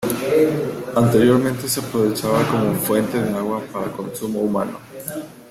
Anteriormente se aprovechaba como fuente de agua para consumo humano.